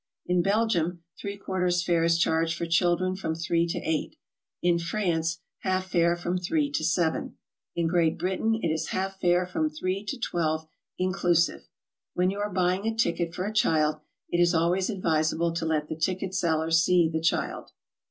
In Belgium three quarters fare is charged for children from 3 to 8; in France, half fare from 3 to 7. In Great Britain it is half fare from 3 to 12 inclusive. When you are buying a ticket for a child, it is always advisable to let the ticket seller see the child.